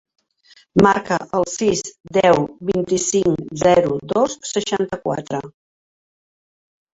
Marca el sis, deu, vint-i-cinc, zero, dos, seixanta-quatre.